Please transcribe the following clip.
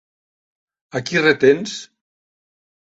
A qui retens?